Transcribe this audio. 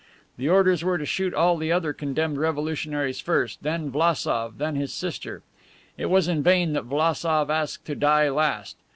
The orders were to shoot all the other condemned revolutionaries first, then Vlassof, then his sister. It was in vain that Vlassof asked to die last.